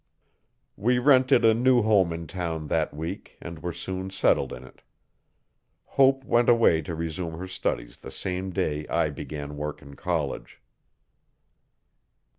We rented a new home in town, that week, and were soon settled in it. Hope went away to resume her studies the same day I began work in college.